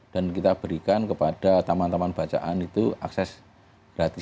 dan kita berikan kepada teman teman bacaan itu akses gratis